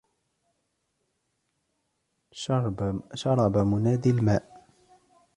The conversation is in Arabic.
شرب مناد الماء